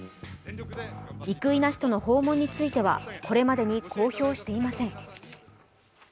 生稲氏との訪問については、これまでに公表していません。